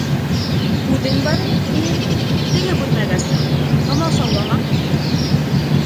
Үҙең бар, ни, теге бүлмәгә сыҡ, ҡамасаулама!